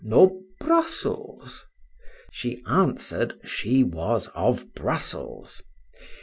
—nor Brussels?—She answered, she was of Brussels.